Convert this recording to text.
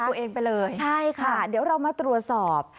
ตัวเองไปเลยใช่ค่ะเดี๋ยวเรามาตรวจสอบ